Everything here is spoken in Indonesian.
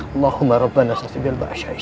allahu ma'a rabbana sasi bial ba'a syaih